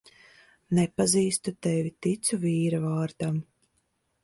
Nepazīstu tevi, ticu vīra vārdam.